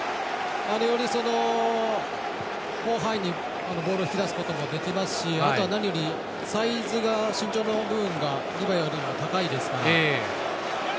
より広範囲にボールを引き出すことができますしあとは何よりサイズが身長の部分がリバヤよりも高いですから。